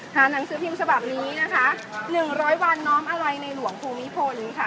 หนังสือพิมพ์ฉบับนี้นะคะ๑๐๐วันน้อมอะไรในหลวงภูมิพลค่ะ